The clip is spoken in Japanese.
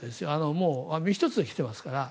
もう身一つで来ていますから。